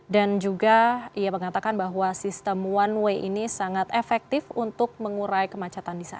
dan juga ia mengatakan bahwa sistem one way ini sangat efektif untuk mengurai kemacetan di sana